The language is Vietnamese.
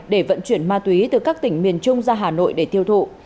để vận chuyển ma túy từ các tỉnh miền trung ra hà nội để tiêu thụ